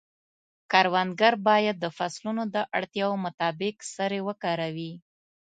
کروندګر باید د فصلونو د اړتیاوو مطابق سرې وکاروي.